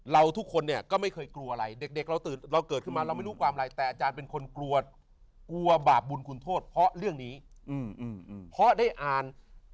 เราทุกคนเนี่ยก็ไม่เคยกลัวอะไรเด็กเราตื่นเราเกิดขึ้นมาเราไม่รู้ความอะไรแต่อาจารย์เป็นคนกลัวกลัวบาปบุญคุณโทษเพราะเรื่องนี้เพราะได้อ่าน